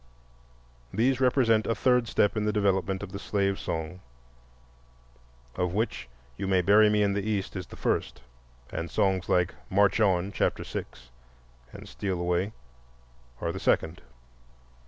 These represent a third step in the development of the slave song, of which "You may bury me in the East" is the first, and songs like "March on" (chapter six) and "Steal away" are the second.